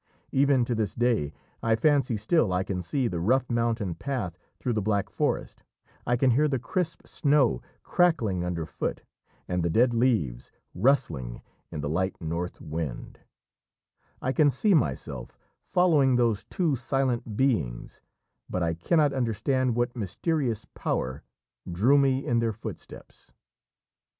Even to this day I fancy still I can see the rough mountain path through the Black Forest, I can hear the crisp snow crackling under foot, and the dead leaves rustling in the light north wind; I can see myself following those two silent beings, but I cannot understand what mysterious power drew me in their footsteps.